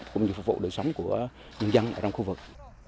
cũng như phục vụ đời sống của nhân dân ở trong khu vực